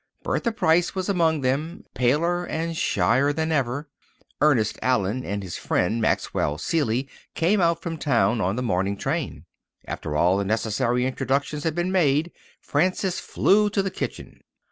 Bertha Price was among them, paler and shyer than ever. Ernest Allen and his friend, Maxwell Seeley, came out from town on the morning train. After all the necessary introductions had been made, Frances flew to the kitchen.